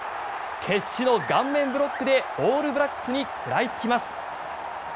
決死の顔面ブロックでオールブラックスに食らいつきます。